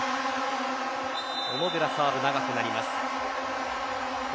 小野寺のサーブは長くなります。